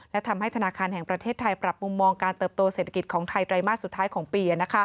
และทำให้ธนาคารแห่งประเทศไทยปรับมุมมองการเติบโตเศรษฐกิจของไทยไตรมาสสุดท้ายของปี